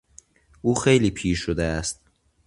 او خیلی پیر شده است.